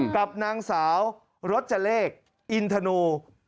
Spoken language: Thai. กับนางสาวรจเลขอินทนู